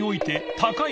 高い！